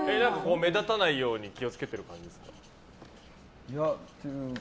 目立たないように気を付けてるんですか？